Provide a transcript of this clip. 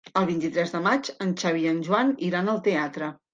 El vint-i-tres de maig en Xavi i en Joan iran al teatre.